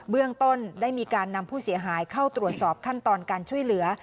เรื่องต้นได้มีการนำผู้เสียหายเข้าตรวจสอบขั้นตอนการช่วยเหลือ